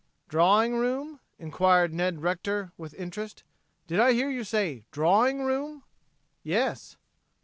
"Drawing room?" inquired Ned Rector, with interest. "Did I hear you say drawing room?" "Yes."